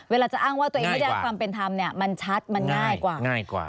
เวลาจะอ้างว่าตัวเองไม่ได้รับความเป็นธรรมเนี่ยมันชัดมันง่ายกว่าง่ายกว่า